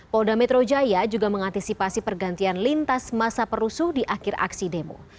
polda metro jaya juga mengantisipasi pergantian lintas masa perusuh di akhir aksi demo